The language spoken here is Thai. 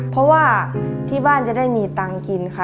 เพราะว่าที่บ้านจะได้มีตังค์กินค่ะ